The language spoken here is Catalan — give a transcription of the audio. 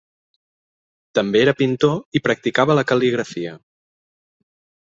També era pintor i practicava la cal·ligrafia.